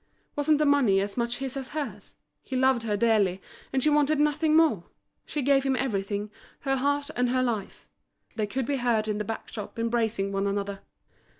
Wasn't the money as much his as hers? He loved her dearly, and she wanted nothing more; she gave him everything, her heart and her life. They could be heard in the back shop embracing one another.